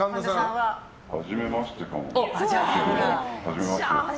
はじめましてかも。